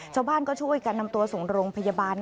ชาวบ้านก็ช่วยกันนำตัวส่งโรงพยาบาล